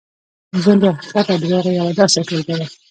ژوند د حقیقت او درواغو یوه داسې ټولګه ده.